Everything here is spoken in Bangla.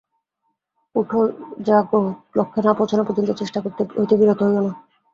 উঠ জাগ, লক্ষ্যে না পৌঁছান পর্যন্ত চেষ্টা হইতে বিরত হইও না।